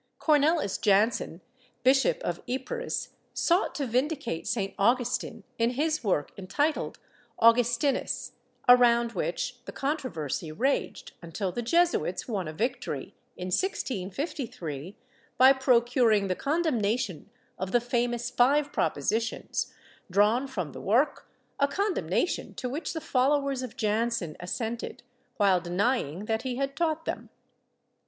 Cornells Jansen, Bishop of Ypres, sought to vindicate St. Augustin in his work entitled "Augustinus," around which the controversy raged, until the Jesuits won a victory, in 1653, by procuring the condemnation of the famous Five Propositions, drawn from the work — a condemnation to which the followers of Jansen assented, while denying that he had taught them.